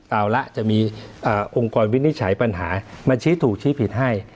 เอาละจะมีองค์กรวินิจฉัยปัญหามาชี้ถูกชี้ผิดให้